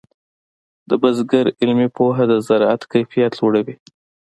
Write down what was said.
د بزګر علمي پوهه د زراعت کیفیت لوړوي.